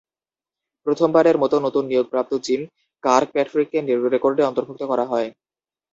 প্রথমবারের মতো নতুন নিয়োগপ্রাপ্ত জিম কার্কপ্যাট্রিককে রেকর্ডে অন্তর্ভুক্ত করা হয়।